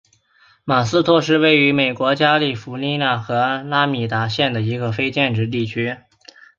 马托斯是位于美国加利福尼亚州阿拉米达县的一个非建制地区。